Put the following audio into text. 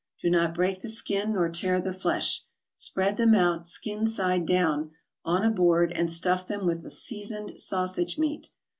Do not break the skin nor tear the flesh. Spread them out, skin side down, on a board and stuff them with the seasoned sausage meat.